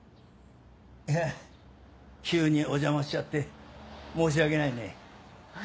急にお邪魔しちゃって申し訳ないね。